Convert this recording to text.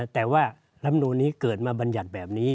แต่ว่าลำนูนนี้เกิดมาบัญญัติแบบนี้